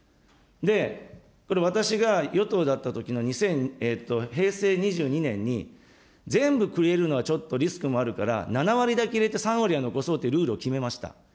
これ、私が与党だったときの平成２２年に、全部繰り入れるのはちょっとリスクもあるから、７割だけ入れて３割残そうというルールを決めました。